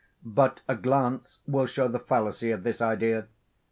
But a glance will show the fallacy of this idea.